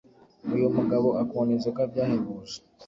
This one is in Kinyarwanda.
Uyumugabo akunda inzoga byahebuje